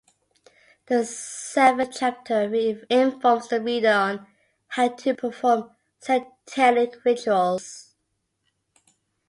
The seventh chapter informs the reader on "How to Perform Satanic Rituals".